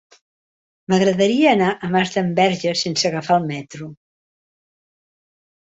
M'agradaria anar a Masdenverge sense agafar el metro.